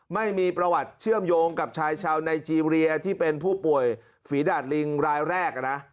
ไม่มีประวัติเชื่อมโยงกับชายชาวไนเจรียที่เป็นผู้ป่วยฝีดาดลิงรายแรกนะ